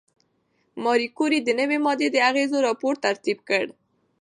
ماري کوري د نوې ماده د اغېزو راپور ترتیب کړ.